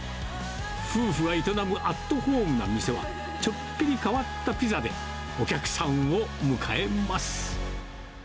夫婦が営むアットホームな店はちょっぴり変わったピザでお客さんを迎えます。